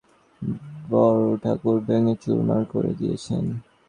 গোড়াতেই সেইটেকে তোমার বড়োঠাকুর ভেঙে চুরমার করে দিয়েছেন।